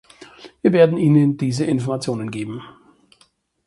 Wir werden Ihnen diese Informationen geben.